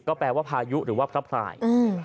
แปลว่าพายุหรือว่าพระพราย